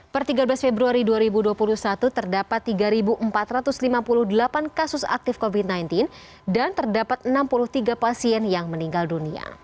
per tiga belas februari dua ribu dua puluh satu terdapat tiga empat ratus lima puluh delapan kasus aktif covid sembilan belas dan terdapat enam puluh tiga pasien yang meninggal dunia